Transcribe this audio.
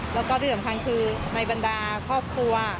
แล้วก็ที่สำคัญคือในบรรดาครอบครัว